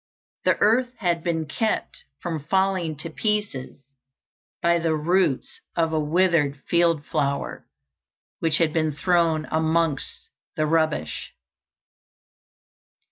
The earth had been kept from falling to pieces by the roots of a withered field flower, which had been thrown amongst the rubbish.